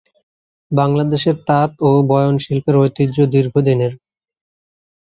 বাংলাদেশের তাঁত ও বয়ন শিল্পের ঐতিহ্য দীর্ঘদিনের।